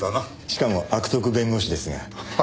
しかも悪徳弁護士ですが。